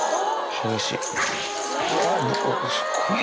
激しい。